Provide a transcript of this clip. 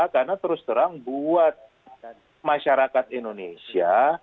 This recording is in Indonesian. karena terus terang buat masyarakat indonesia